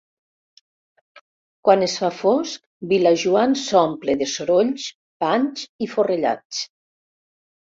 Quan es fa fosc Vilajoan s'omple de sorolls, panys i forrellats.